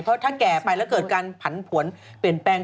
เพราะถ้าแก่ไปแล้วเกิดการผันผวนเปลี่ยนแปลง